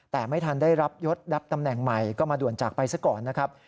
แต่ไม่ทันได้รับยศรับตำแหน่งใหม่ก็มาด่วนจากไปซะก่อนนะครับ